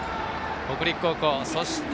北陸高校。